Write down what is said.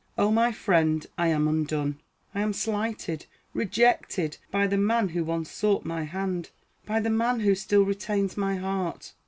O my friend, I am undone. I am slighted, rejected, by the man who once sought my hand, by the man who still retains my heart.